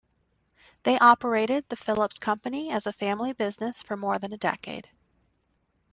They operated the Philips Company as a family business for more than a decade.